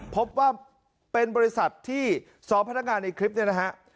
พบว่าเป็นบริษัทที่สอบพัฒนากาศในคลิปได้นะฮะ